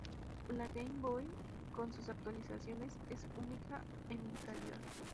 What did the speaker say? La Game Boy, con sus actualizaciones, es única en vitalidad.